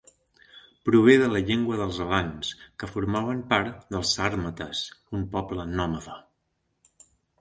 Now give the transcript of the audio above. Prové de la llengua dels alans, que formaven part dels sàrmates, un poble nòmada.